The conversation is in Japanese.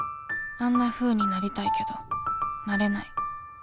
あんなふうになりたいけどなれない